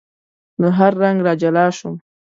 له هر رنګ را جلا شوم